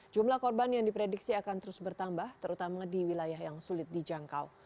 jumlah korban yang diprediksi akan terus bertambah terutama di wilayah yang sulit dijangkau